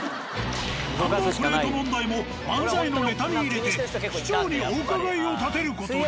ナンバープレート問題も漫才のネタに入れて市長にお伺いを立てる事に。